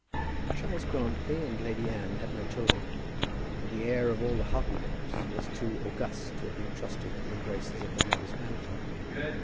Charles Grantly and Lady Anne had no children, and the heir of all the Hartletops was too august to have been trusted to the embraces of her mother's grandfather.